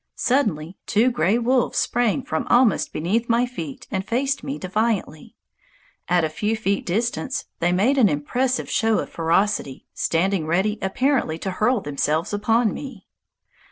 Suddenly two gray wolves sprang from almost beneath my feet and faced me defiantly. At a few feet distance they made an impressive show of ferocity, standing ready apparently to hurl themselves upon me.